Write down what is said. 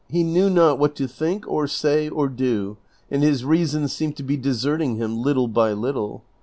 He knew not what to think, or say, or do, and his reason seemed to be deserting him little by little.